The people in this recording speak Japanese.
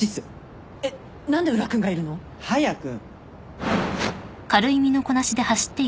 えっ何で宇良君がいるの？早く！